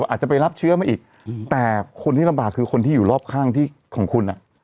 อาจจะไปรับเชื้อมาอีกแต่คนที่ลำบากคือคนที่อยู่รอบข้างที่ของคุณอ่ะ